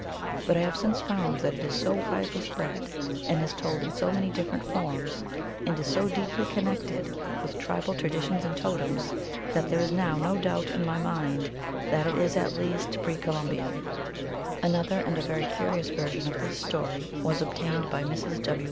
But I have since found that it is so widely spread, and is told in so many different forms, and is so deeply connected with tribal traditions and totems, that there is now no doubt in my mind that it is at least pre Colum bian. Another and a very curious version of this story was obtained by Mrs. W.